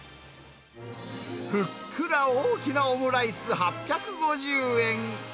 ふっくら大きなオムライス８５０円。